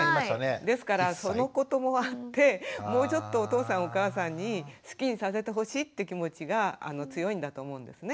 ですからそのこともあってもうちょっとお父さんお母さんに好きにさせてほしいって気持ちが強いんだと思うんですね。